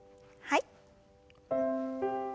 はい。